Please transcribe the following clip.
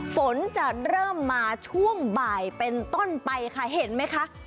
ฝนจะเริ่มมาช่วงบ่ายเป็นต้นไปค่ะเห็นไหมคะ